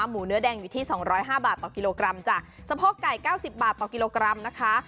หมูเนื้อแดงอยู่ที่สองร้อยห้าบาทต่อกิโลกรัมจ้ะสะโพกไก่เก้าสิบบาทต่อกิโลกรัมนะคะ